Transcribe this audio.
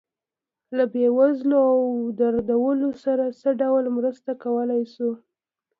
له بې وزلو او دردېدلو سره څه ډول مرسته کولی شو.